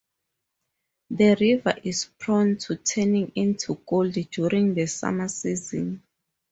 The river is prone to turning into gold during the summer season.